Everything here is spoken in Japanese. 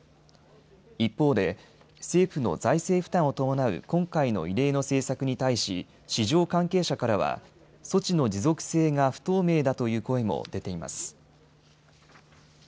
一方で政府の財政負担を伴う今回の異例の政策に対し市場関係者からは措置の持続性が不透明だという声も出ています。